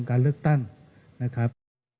การเลือกตั้งนะครับ